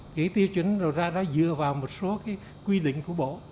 cái tiêu chuẩn đầu ra đó dựa vào một số cái quy định của bộ